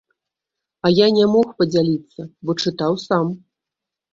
А я не мог падзяліцца, бо чытаў сам.